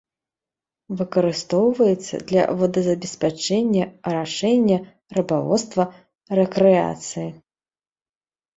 Выкарыстоўваецца для водазабеспячэння, арашэння, рыбаводства, рэкрэацыі.